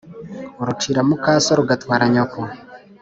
Urucira mukaso rugatwara nyoko.